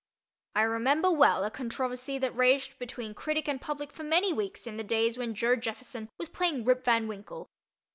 I remember well a controversy that raged between critic and public for many weeks in the days when Joe Jefferson was playing Rip Van Winkle.